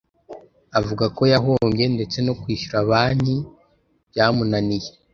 avuga ko yahombye ndetse no kwishyura Banki byamunaniye